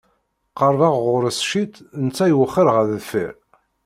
Qerrbeɣ ɣer-s ciṭ, netta iwexxer ɣer deffir.